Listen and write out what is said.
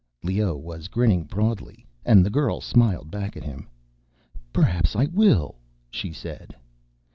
Leoh was grinning broadly, and the girl smiled back at him. "Perhaps I will," she said.